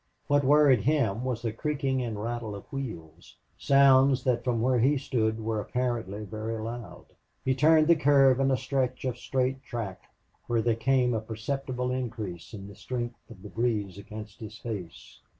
What worried him was the creaking and rattle of wheels, sounds that from where he stood were apparently very loud. He turned the curve into a stretch of straight track where there came a perceptible increase in the strength of the breeze against his face.